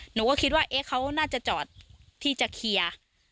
หนูก็คิดว่าเขาน่าจะจอดที่จะเคลียร์